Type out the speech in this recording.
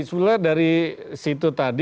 sebenarnya dari situ tadi